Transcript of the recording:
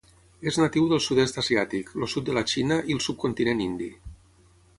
És natiu del sud-est asiàtic, el sud de la Xina i el subcontinent indi.